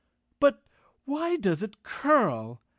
"But why does it curl?"